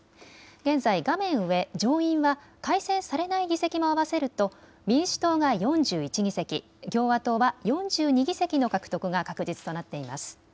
現在、画面上、上院は改選されない議席も合わせると民主党が４１議席、共和党は４２議席の獲得が確実となっています。